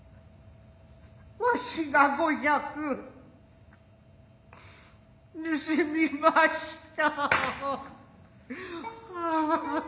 わしが五百盗みました。